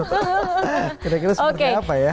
kira kira seperti apa ya